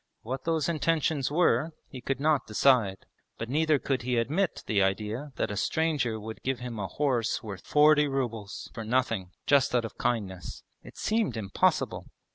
What those intentions were he could not decide, but neither could he admit the idea that a stranger would give him a horse worth forty rubles for nothing, just out of kindness; it seemed impossible.